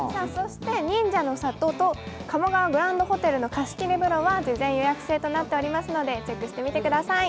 忍者の里と鴨川グランドホテルの貸し切り風呂は事前予約制となっておりますのでチェックしてみてください。